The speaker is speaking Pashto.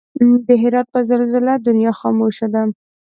د هرات په زلزله دنيا خاموش ده